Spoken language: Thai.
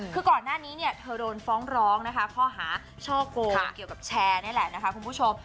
ก่อนหน้านี้เธอโดนฟ้องร้องข้อหาช่อโกงเกี่ยวกับแชร์นี่แหละคุณผู้ชม